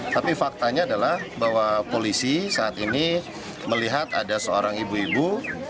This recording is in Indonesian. tapi faktanya adalah bahwa polisi saat ini melihat ada seorang ibu ibu